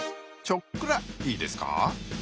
ちょっくらいいですか。